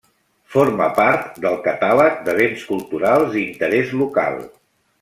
Forma part del catàleg de Béns Culturals d'Interès Local.